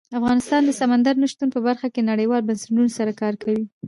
افغانستان د سمندر نه شتون په برخه کې نړیوالو بنسټونو سره کار کوي.